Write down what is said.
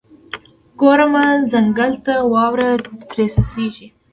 ګورمه ځنګله ته، واوره ترې څڅیږي